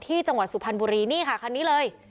จังหวัดสุพรรณบุรีนี่ค่ะคันนี้เลย